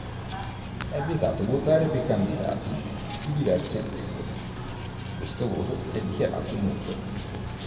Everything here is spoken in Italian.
È vietato votare per candidati di diverse liste, questo voto è dichiarato nullo.